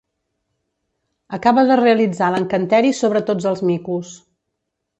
Acaba de realitzar l'encanteri sobre tots els micos.